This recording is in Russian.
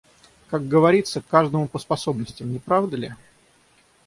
Как говорится, каждому по способностям, не правда ли?